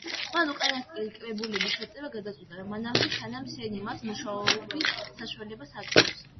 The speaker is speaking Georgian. მან უკანასკნელი კრებულის ჩაწერა გადაწყვიტა, მანამდე სანამ სენი მას მუშაობის საშუალებას აძლევს.